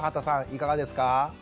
いかがですか？